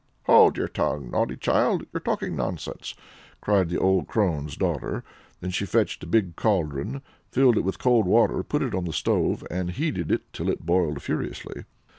"Hold your tongue, naughty child! you're talking nonsense!" cried the old crone's daughter; then she fetched a big cauldron, filled it with cold water, put it on the stove, and heated it till it boiled furiously.